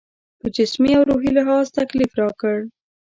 په جسمي او روحي لحاظ تکلیف راکړ.